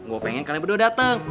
gua pengen kalian berdua dateng